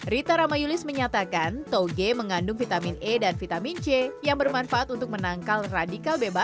rita ramayulis menyatakan toge mengandung vitamin e dan vitamin c yang bermanfaat untuk menangkal radikal bebas